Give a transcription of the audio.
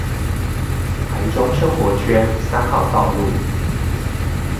台中生活圈三號道路